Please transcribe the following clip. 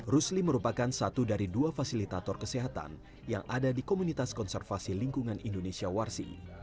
rusli merupakan satu dari dua fasilitator kesehatan yang ada di komunitas konservasi lingkungan indonesia warsi